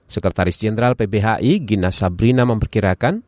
sekretaris jenderal pbhi gina sabrina memperkirakan